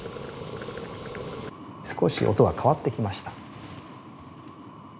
少し音が変わってきました。